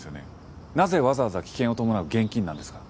なぜわざわざ危険を伴う現金なんですか？